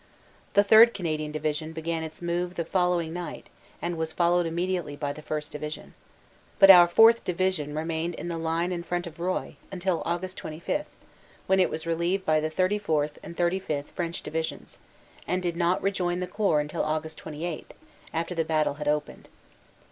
The 3rd. Canadian Division began its move the following night and was followed immediately by the 1st. Division. But our 4th. Division remained in the line in front of Roye until Aug. 25, when it was relieved by the 34th. and 35th. French Divisions, and did not rejoin the Corps until Aug. 28, after the battle had opened.